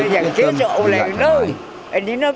đã bắt tương tế yên tâm yên tâm yên tâm